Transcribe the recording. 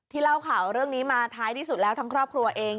เล่าข่าวเรื่องนี้มาท้ายที่สุดแล้วทั้งครอบครัวเอง